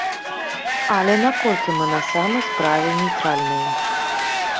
Але наколькі мы на самай справе нейтральныя?